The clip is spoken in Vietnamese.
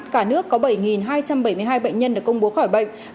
cả nước có bảy hai trăm bảy mươi hai bệnh nhân được công bố khỏi bệnh